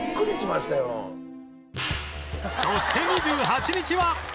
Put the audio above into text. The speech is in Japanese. そして２８日は